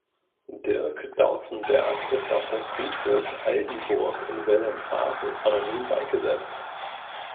Dirk Dautzenberg ist auf dem Friedhof Aldenburg in Wilhelmshaven anonym beigesetzt.